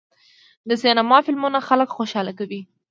د سینما فلمونه خلک خوشحاله کوي.